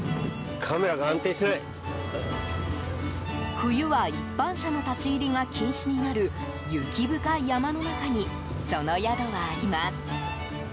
冬は、一般車の立ち入りが禁止になる雪深い山の中にその宿はあります。